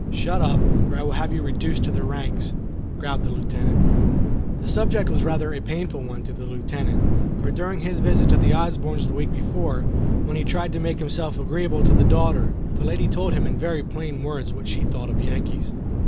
"Shut up, or I will have you reduced to the ranks," growled the Lieutenant. The subject was rather a painful one to the Lieutenant, for during his visit to the Osbornes the week before, when he tried to make himself agreeable to the daughter, the lady told him in very plain words what she thought of Yankees.